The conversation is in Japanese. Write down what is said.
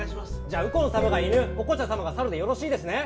じゃあ右近様が犬オコチャ様が猿でよろしいですね？